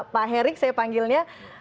pak herik saya panggilnya